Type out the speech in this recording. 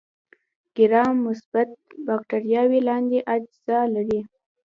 ګرام مثبت بکټریاوې لاندې اجزا لري.